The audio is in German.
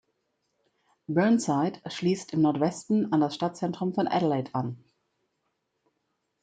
Burnside schließt im Nordwesten an das Stadtzentrum von Adelaide an.